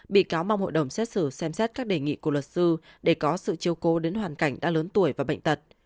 bị cáo mong hội đồng xét xử xem xét các đề nghị của luật sư để có sự chiêu cô đến hoàn cảnh đã lớn tuổi và bệnh tật